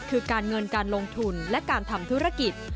คือการเงินการลงทุนและการทำธุรกิจ